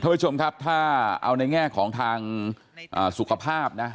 ผู้ชมครับถ้าเอาในแง่ของทางสุขภาพนะ